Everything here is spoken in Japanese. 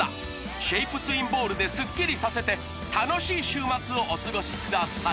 シェイプツインボールでスッキリさせて楽しい週末をお過ごしください